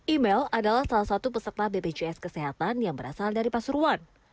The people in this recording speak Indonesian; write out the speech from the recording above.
email adalah salah satu peserta bpjs kesehatan yang berasal dari pasuruan